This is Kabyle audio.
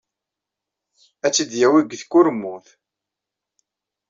Ad tt-id-yawey deg tkurmut.